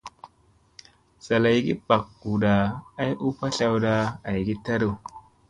Zalaygi bak huda ay u patlawda ayi taɗu.